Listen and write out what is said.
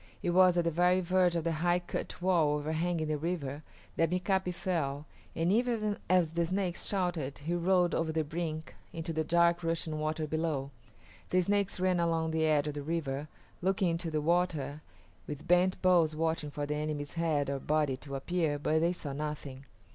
It was at the very verge of a high cut wall overhanging the river that Mika´pi fell, and even as the Snakes shouted he rolled over the brink into the dark rushing water below. The Snakes ran along the edge of the river, looking into the water, with bent bows watching for the enemy's head or body to appear, but they saw nothing.